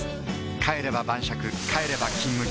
帰れば晩酌帰れば「金麦」